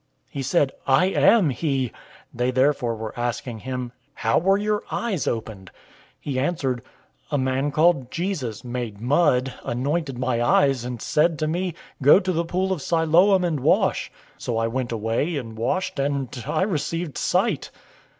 He said, "I am he." 009:010 They therefore were asking him, "How were your eyes opened?" 009:011 He answered, "A man called Jesus made mud, anointed my eyes, and said to me, 'Go to the pool of Siloam, and wash.' So I went away and washed, and I received sight."